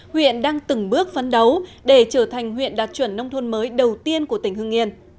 huyện đang từng bước phấn đấu để trở thành huyện đạt chuẩn nông thôn mới đầu tiên của tỉnh hương yên